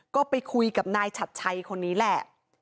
ก็ไปคุยกับนายฉัดชัยคนนี้แหละ